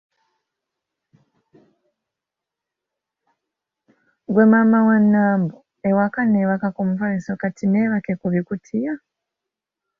Gwe maama wa Nambo, ewaka nebaka ku mufaliso kati nebake ku bikutiya?”